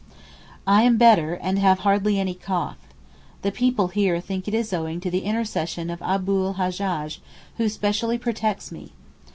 I am better, and have hardly any cough. The people here think it is owing to the intercession of Abu l Hajjaj who specially protects me.